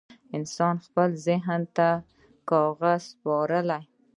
انسان خپل ذهن کاغذ ته وسپاره.